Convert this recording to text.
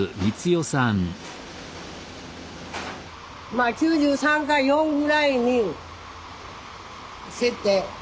まあ９３か４ぐらいに設定。